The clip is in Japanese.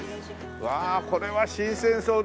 うわこれは新鮮そうで。